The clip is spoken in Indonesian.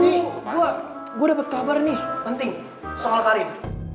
ntar dulu gue dapet kabar nih penting soal karin